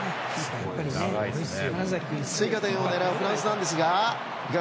追加点を狙うフランスなんですが。